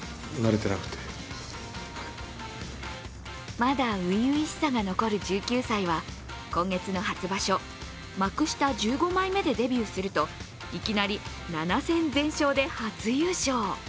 まだ初々しさが残る１９歳は今月の初場所、幕下１５枚目でデビューするといきなり７戦全勝で初優勝。